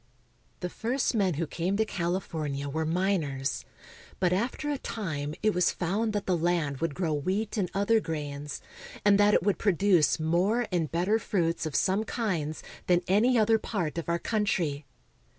The first men who came to California were miners; but after a time it was found that the land would grow wheat and other grains, and that it would produce more and bet ter fruits of some kinds than any other part of our coun try.